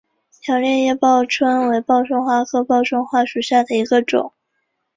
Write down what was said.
条裂叶报春为报春花科报春花属下的一个种。